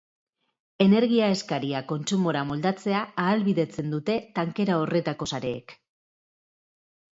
Energia eskaria kontsumora moldatzea ahalbidetzen dute tankera horretako sareek.